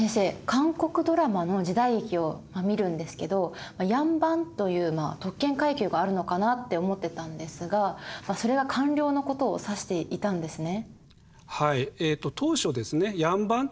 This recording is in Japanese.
韓国ドラマの時代劇を見るんですけど両班という特権階級があるのかなって思ってたんですがそれが官僚のことを指していたんですね。